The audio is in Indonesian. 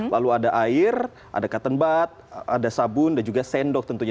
lalu ada air ada cotton bud ada sabun dan juga sendok tentunya